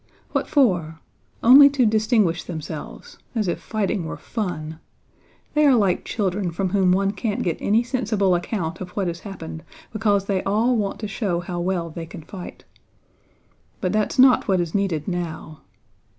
"What for? Only to distinguish themselves! As if fighting were fun. They are like children from whom one can't get any sensible account of what has happened because they all want to show how well they can fight. But that's not what is needed now.